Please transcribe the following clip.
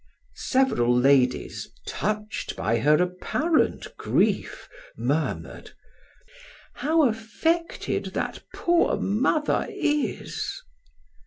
Several ladies, touched by her apparent grief, murmured: "How affected that poor mother is!"